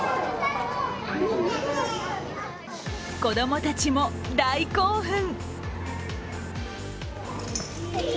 子供たちも大興奮。